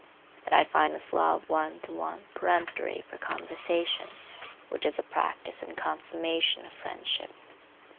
But I find this law of one to one peremptory for conversation, which is the practice and consummation of friendship.